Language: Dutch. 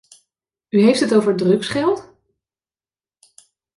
U heeft het over drugsgeld?